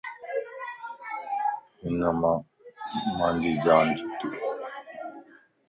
ھن مان مانجي جان چھٽي